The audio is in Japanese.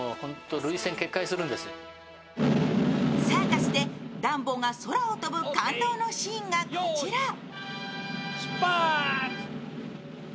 サーカスでダンボが空を飛ぶ感動のシーンがこちら。